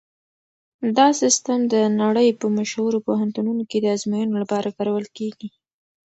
دا سیسټم د نړۍ په مشهورو پوهنتونونو کې د ازموینو لپاره کارول کیږي.